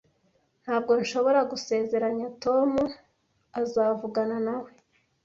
Ntabwo nshobora gusezeranya Tom azavugana nawe.